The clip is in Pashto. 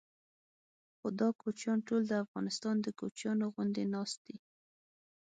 خو دا کوچیان ټول د افغانستان د کوچیانو غوندې ناست دي.